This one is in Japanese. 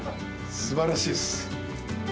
すばらしいです。